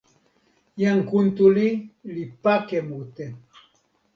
jan Kuntuli li pake mute.